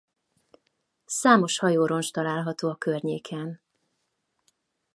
Számos hajóroncs található környéken.